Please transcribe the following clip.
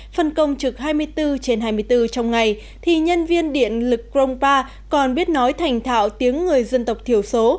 phân công trực hai mươi bốn trên hai mươi bốn trong ngày thì nhân viên điện lực krongpa còn biết nói thành thạo tiếng người dân tộc thiểu số